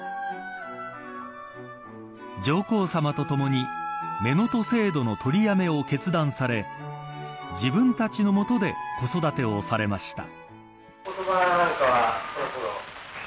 上皇さまとともに乳母制度の取りやめを決断され自分たちのもとで子育てをされました。